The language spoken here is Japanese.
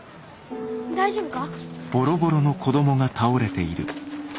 大丈夫か？